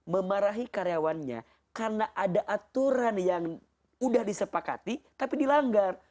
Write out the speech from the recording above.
memarahi karyawannya karena ada aturan yang sudah disepakati tapi dilanggar